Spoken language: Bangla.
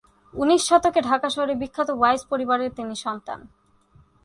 উনিশ শতকে ঢাকা শহরের বিখ্যাত ওয়াইজ পরিবারের তিনি সন্তান।